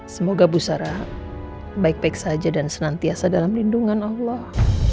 semoga busara baik baik saja dan senantiasa dalam lindungan allah